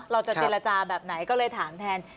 เราจะเจรจาแบบไหนก็เลยถามแทน